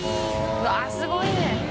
うわっすごいね！